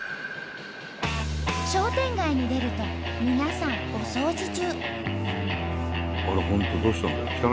商店街に出ると皆さんお掃除中。